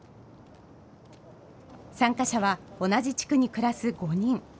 参加者は同じ地区に暮らす５人。